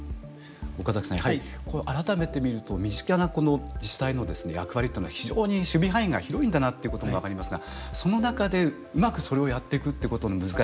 岡崎さんやはり改めて見ると身近な自治体のですね役割というのは非常に守備範囲が広いんだなっていうことも分かりますがその中でうまくそれをやっていくってことの難しさ。